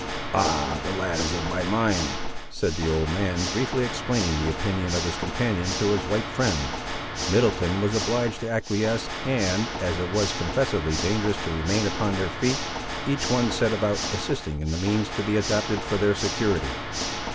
"Ah! the lad is of my mind," said the old man, briefly explaining the opinion of his companion to his white friends. Middleton was obliged to acquiesce, and, as it was confessedly dangerous to remain upon their feet, each one set about assisting in the means to be adopted for their security.